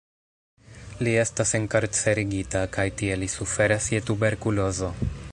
Li estas enkarcerigita, kaj tie li suferas je tuberkulozo.